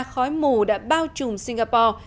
khói mù đã bao trùm singapore